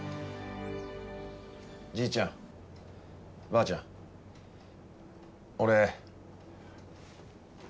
じいちゃんばあちゃん俺。